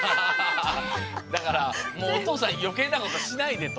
だからもうおとうさんよけいなことしないでと。